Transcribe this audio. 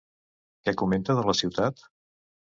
Què comenta de la ciutat?